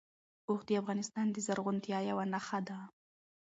اوښ د افغانستان د زرغونتیا یوه نښه ده.